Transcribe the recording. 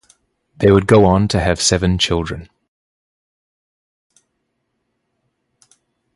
They would go on to have seven children.